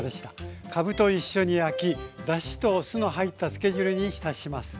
かぶと一緒に焼きだしと酢の入ったつけ汁に浸します。